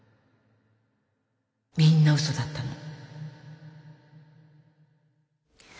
みんな嘘だったの。